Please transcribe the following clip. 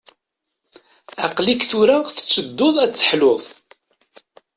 Aql-ik tura tettedduḍ ad teḥluḍ.